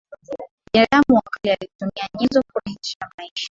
binadamu wa kale alitumia nyenzo kurahisisha maisha